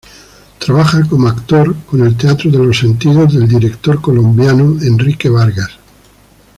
Trabaja como actor con el Teatro de los Sentidos del director colombiano Enrique Vargas.